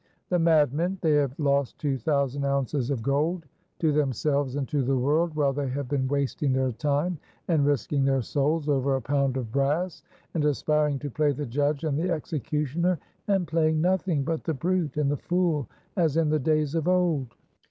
The madmen! they have lost two thousand ounces of gold to themselves and to the world, while they have been wasting their time and risking their souls over a pound of brass, and aspiring to play the judge and the executioner, and playing nothing but the brute and the fool as in the days of old."